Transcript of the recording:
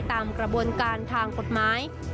ตามกระบวนการทางกฎหมาย